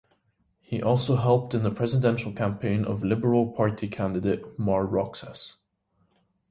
He also helped in the presidential campaign of Liberal Party candidate Mar Roxas.